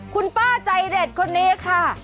คุณป้าใจเด็ดคนนี้ค่ะ